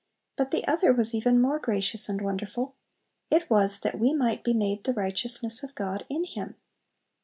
But the other was even more gracious and wonderful, it was "that we might be made the righteousness of God in Him."